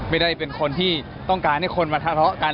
ไม่ได้เป็นคนที่ต้องการให้คนมาทะเลาะกัน